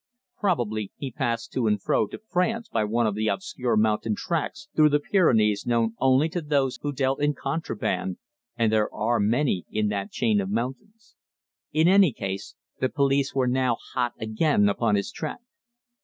Probably he passed to and fro to France by one of the obscure mountain tracks through the Pyrenees known only to those who dealt in contraband and there are many in that chain of mountains. In any case the police were now hot again upon his track.